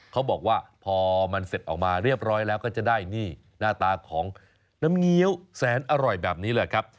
เขาบอกว่าพอมันเสร็จออกมาเรียบร้อยแล้วก็จะได้นี่หน้าตาของน้ำเงี้ยวแสนอร่อยแบบนี้แหละครับ